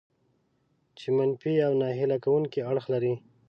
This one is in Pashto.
چې منفي او ناهیله کوونکي اړخ لري.